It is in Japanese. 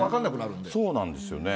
そうなんですよね。